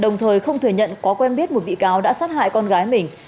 đồng thời không thừa nhận có quen biết một bị cáo đã sát hại con gái mình